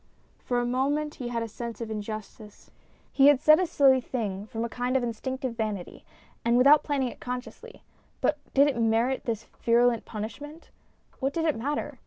For a moment he had a sense of injustice ; he had said a silly thing, from a kind of instinctive vanity and without planning it consciously, but did it merit this virulent punishment? What did it matter?